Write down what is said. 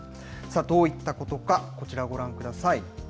どういったことか、こちらご覧ください。